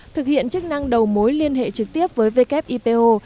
thực hiện chức năng đầu mối liên hệ trực tiếp với wipo